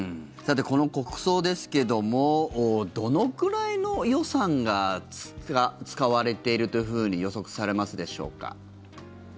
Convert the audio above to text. この国葬ですけどもどのくらいの予算が使われているというふうに予測されますでしょうか。